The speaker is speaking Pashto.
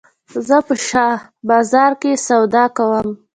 زه په شاه بازار کښي سودا کوم.